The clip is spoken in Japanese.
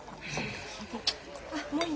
あっもういい